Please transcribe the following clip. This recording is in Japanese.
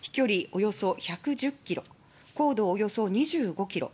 およそ１１０キロ高度およそ２５キロ